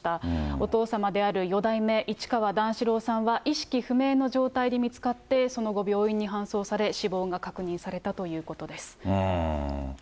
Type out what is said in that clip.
お父様である四代目市川段四郎さんは、意識不明の状態で見つかって、その後、病院に搬送され、死亡が確認されたということです。